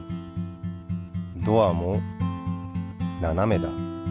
ドアもななめだ。